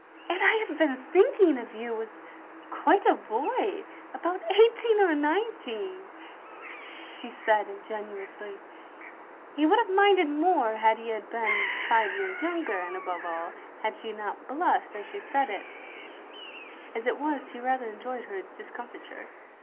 "And I have been thinking of you as quite a boy, about eighteen or nineteen," she said, ingenuously. He would have minded more had he been five years younger, and above all, had she not blushed as she said it ; as it was, he rather enjoyed her discomfiture.